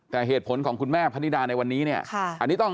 แต่เหตุผลของคุณแม่พนิดาในวันนี้เนี่ย